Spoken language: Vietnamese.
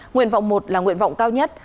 nguyện vọng một là nguyện vọng cao nhất